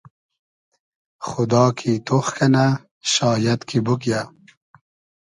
خودا کی تۉخ کئنۂ شایئد کی بوگیۂ